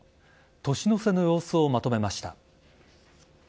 年の瀬の様子をまとめました。